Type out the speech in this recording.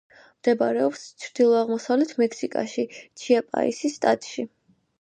მდებარეობს ჩრდილო-აღმოსავლეთ მექსიკაში, ჩიაპასის შტატში.